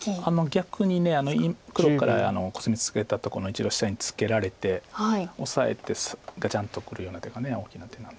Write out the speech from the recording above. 逆に黒からコスミツケたとこの１路下にツケられてオサえてガチャンとくるような手が大きな手なんで。